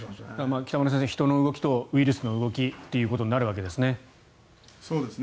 北村先生、人の動きとウイルスの動きということになるわけですね。